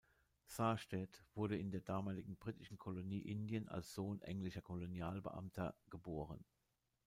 Sarstedt wurde in der damaligen britischen Kolonie Indien als Sohn englischer Kolonialbeamter geboren.